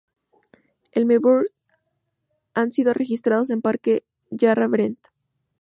En Melbourne, han sido registrados en Parque Yarra Bend.